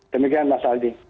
demikian mas aldi